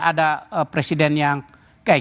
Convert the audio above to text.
ada presiden yang kayak